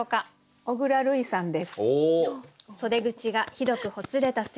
小倉るいさんです。